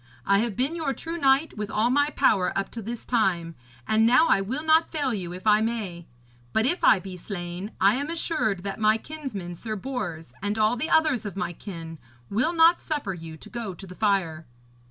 I have been your true knight with all my power up to this time, and now I will not fail you if I may; but if I be slain, I am assured that my kinsman Sir Bors and all the others of my kin will not suffer you to go to the fire.'